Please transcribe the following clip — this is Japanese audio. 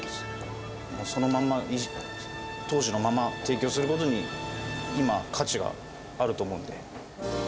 そのまんま、当時のまま、提供することに、今、価値があると思うんで。